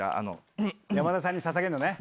山田さんにささげるのね。